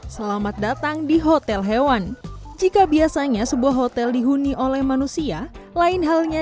selamat datang di hotel hewan jika biasanya sebuah hotel dihuni oleh manusia lain halnya